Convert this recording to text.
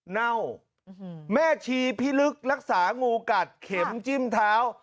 เน่าแม่ชีพิลึกรักษางูกัดเข็มจิ้มเท้า